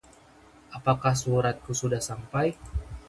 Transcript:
apakah suratku sudah sampai?